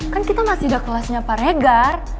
kan kita masih udah kelasnya pak regar